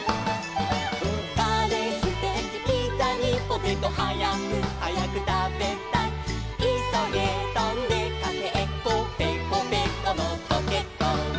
「カレーステーキピザにポテト」「はやくはやくたべたい」「いそげとんでかけっこぺこぺこのコケッコー」